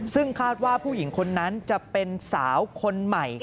ซึ่งคาดว่าผู้หญิงคนนั้นจะเป็นสาวคนใหม่